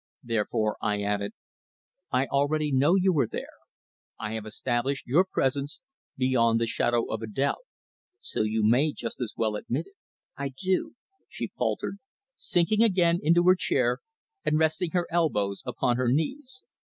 Therefore, I added: "I already know you were there. I have established your presence beyond the shadow of doubt. So you may just as well admit it." "I I do," she faltered, sinking again into her chair and resting her elbows upon her knees.